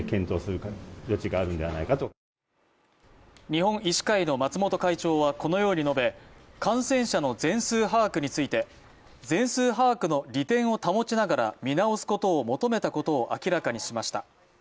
日本医師会の松本会長はこのように述べ感染者の全数把握について、全数把握の利点を保ちながら見直すことを求めたことを明らかにしました。